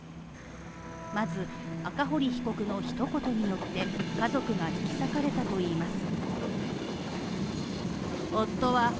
まず、赤堀被告の一言によって家族が引き裂かれたといいます。